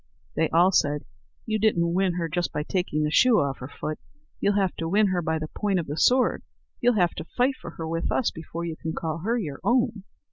They all said: "You didn't win her just by taking the shoe off her foot; you'll have to win her by the point of the sword; you'll have to fight for her with us before you can call her your own."